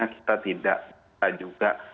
kita tidak juga